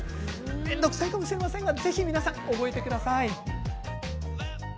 面倒くさいかもしれませんがぜひ皆さん覚えてください。